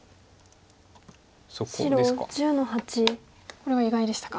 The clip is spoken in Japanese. これは意外でしたか。